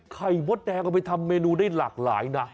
มดแดงเอาไปทำเมนูได้หลากหลายนะ